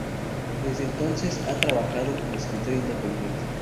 Desde entonces ha trabajado como escritor independiente.